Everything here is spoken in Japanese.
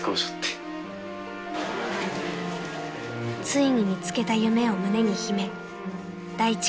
［ついに見つけた夢を胸に秘め大地